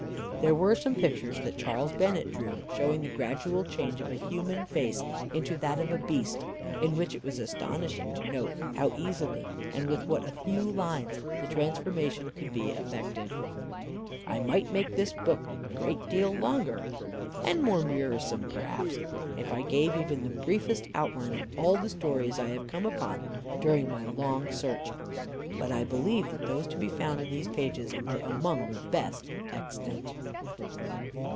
There were some pictures that Charles Bennett drew, showing the gradual change of a human face into that of a beast, in which it was astonishing to note how easy and with what a few lines the transformation could be effected. I might make this book a great deal longer (and more wearisome, perhaps) if I gave even the briefest outline of all the stories I have come upon during my long search; but I believe that those to be found in these pages are among the best extant.